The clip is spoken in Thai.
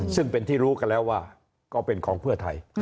ซึ่งเป็นที่รู้กันแล้วว่าก็เป็นของเพื่อไทย